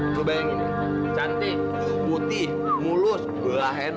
lo bayangin cantik putih mulus enak